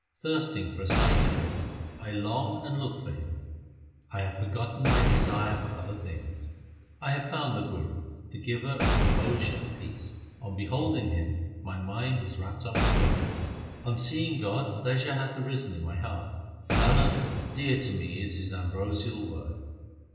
Thirsting for a sight of Him, I long and look for Him ; 1 have forgotten my desire for other things. I have found the Guru, the giver of composure and peace ; On beholding him, my mind is wrapped up in God. On seeing God pleasure hath arisen in my heart ; Nanak, dear to me is His ambrosial word.